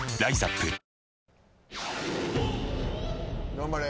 頑張れ。